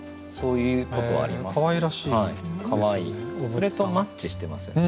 それとマッチしてますよね。